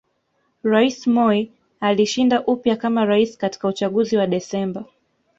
Rais Moi alishinda upya kama Rais katika uchaguzi wa Desemba